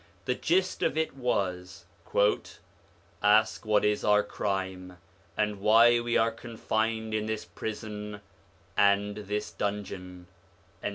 The gist of it was: 'Ask what is our crime, and why we are confined in this prison and this dungeon.'